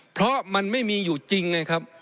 เพราะมันไม่มีอยู่จริงไงครับ